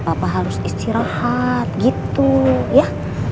papa harus istirahat gitu ya